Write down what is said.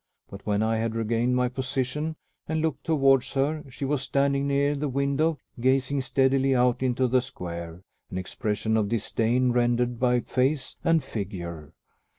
But when I had regained my position and looked towards her, she was standing near the window gazing steadily out into the square, an expression of disdain rendered by face and figure.